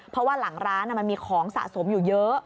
เพราะว่าหลังร้านมันมีของสะสมอยู่เยอะ